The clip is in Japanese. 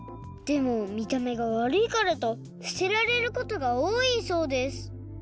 でもみためがわるいからとすてられることがおおいそうです。